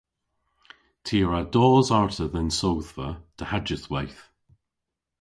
Ty a wra dos arta dhe'n sodhva dohajydhweyth.